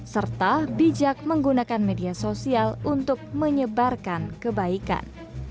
serta bijak menggunakan media sosial untuk menyebarkan kebaikan